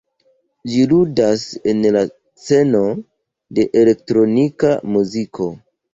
Ĝi ludas en la sceno de elektronika muziko.